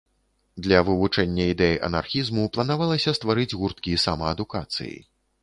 Для вывучэння ідэй анархізму планавалася стварыць гурткі самаадукацыі.